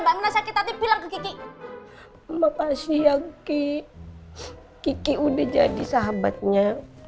mbak mirna sakit tapi bilang ke gigi mbak pasir yang ki ki udah jadi sahabatnya